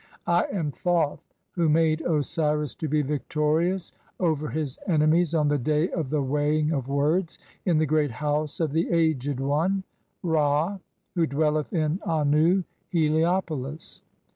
I am Thoth, who made Osiris "to be victorious (12) over his enemies on the day of the weighing "of words (i3) in the great House of the Aged One (;'. e., Ra) "who dwelleth in Annu (Heliopolis).